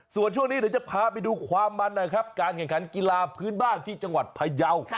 ส่วนช่วงนี้เดี๋ยวจะพาไปดูความมันนะครับการแข่งขันกีฬาพื้นบ้านที่จังหวัดพยาว